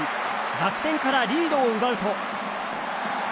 楽天からリードを奪うと。